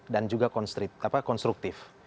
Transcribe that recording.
dan juga konstriktif